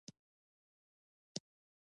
هندوکش د ماشومانو د زده کړې موضوع ده.